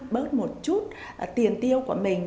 bớt một chút tiền tiêu của mình